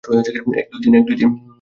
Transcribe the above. এক, দুই, তিন।